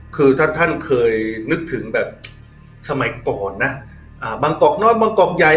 คือถ้าท่านเคยนึกถึงแบบสมัยก่อนนะบางกอกน้อยบางกอกใหญ่